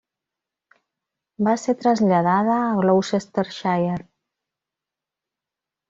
Va ser traslladada a Gloucestershire.